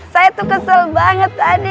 saya tuh kesel banget tadi